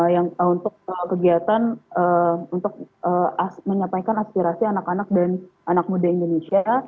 yang untuk kegiatan untuk menyampaikan aspirasi anak anak dan anak muda indonesia